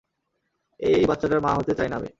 এই বাচ্চাটার মা হতে চাই না আমি!